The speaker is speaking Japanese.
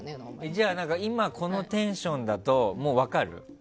じゃあ、今このテンションだともう分かる？